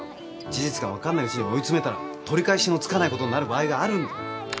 事実が分かんないうちに追い詰めたら取り返しのつかないことになる場合があるんだよ。